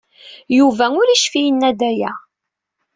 Yuba ur yecfi yenna-d aya.